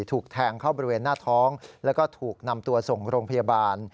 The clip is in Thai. ถูกแทงเข้าบริเวณหน้าท้องแล้วก็ถูกนำตัวส่งโรงพยาบาล